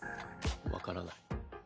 分からない。